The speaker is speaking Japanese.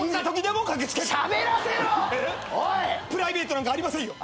プライベートなんかありませんよ。